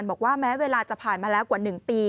บอกว่าแม้เวลาจะผ่านมาแล้วกว่า๑ปี